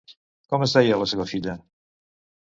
Com es deia la seva filla?